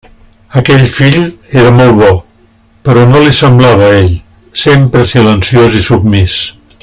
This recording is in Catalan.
Aquell fill era molt bo, però no li semblava a ell; sempre silenciós i submís.